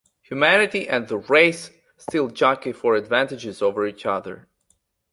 Humanity and the Race still jockey for advantages over each other.